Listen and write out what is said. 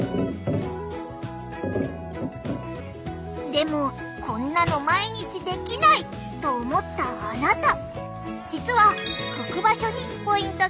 でもこんなの毎日できない！と思ったあなた！